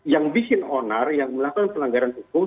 yang bikin onar yang melakukan pelanggaran hukum